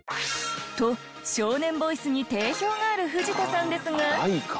と少年ボイスに定評がある藤田さんですが。